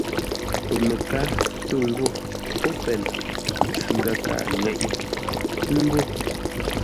Pəməkár tô ngô: “Open!” Ntsʉ-ndə̂ kâa ŋeʼé; ńgó.